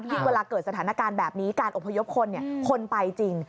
เวลาเกิดสถานการณ์แบบนี้การอบพยพคนคนไปจริง